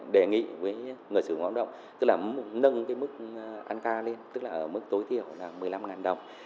đề nghị với người sử dụng hoạt động tức là nâng mức ăn ca lên tức là ở mức tối tiểu là một mươi năm đồng